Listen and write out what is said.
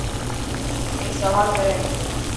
اي سوال ڪري پيو.